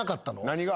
何が？